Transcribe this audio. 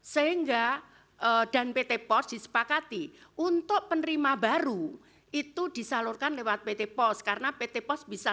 sehingga dan pt pos disepakati untuk penerima baru itu disalurkan lewat pt pos karena pt pos bisa